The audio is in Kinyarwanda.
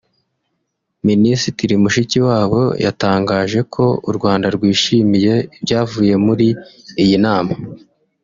Minisitiri Mushikiwabo yatangaje ko u Rwanda rwishimiye ibyavuye muri iyi nama